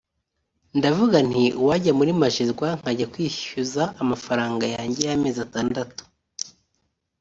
ndavuga nti uwajya muri Magerwa nkajya kwishyuza amafaranga yanjye y’amezi atandatu